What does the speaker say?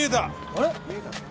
あれ？